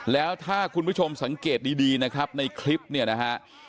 แล้วถ้าคุณผู้ชมสังเกตดีนะครับในคลิปเนี่ยนะฮะ